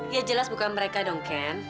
ya jelas bukan mereka dong ken